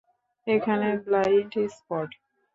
এখানে blind spot.